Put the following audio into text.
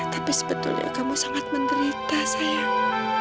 tapi sebetulnya kamu sangat menderita sayang